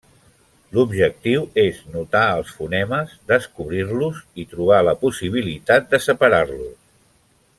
L’objectiu és notar els fonemes, descobrir-los i trobar la possibilitat de separar-los.